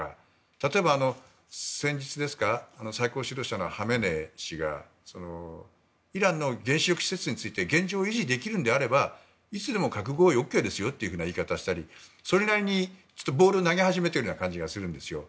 例えば先日、最高指導者のハメネイ師がイランの原子力施設について現状維持できるのであればいつでも核合意ＯＫですよという言い方をしたりそれなりにボールを投げ始めている感じがするんですよ。